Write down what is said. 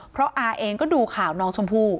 เพราะอาเองก็ดูข่าวน้องชมพู่